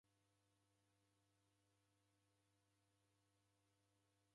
Bemba reocha raka tayari